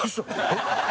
えっ？